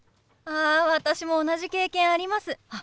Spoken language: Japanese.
あ私も同じ経験あります。